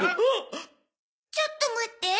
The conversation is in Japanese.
ちょっと待って。